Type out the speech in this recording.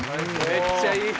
めっちゃいい。